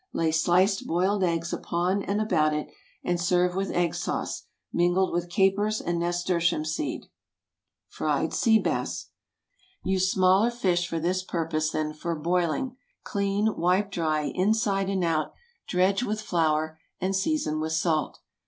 Lay sliced boiled eggs upon and about it, and serve with egg sauce, mingled with capers and nasturtium seed. FRIED SEA BASS. Use smaller fish for this purpose than for boiling. Clean, wipe dry, inside and out, dredge with flour and season with salt.